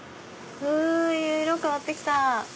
色変わって来た！